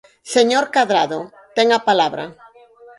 Señor Cadrado, ten a palabra.